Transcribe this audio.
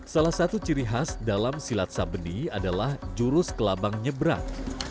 salah satu ciri khas dalam silat sabeni adalah jurus kelabang nyebrang